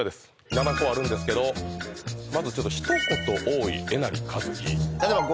７個あるんですけどまずちょっと一言多いえなりかずき